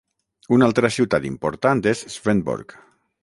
Una altra ciutat important és Svendborg.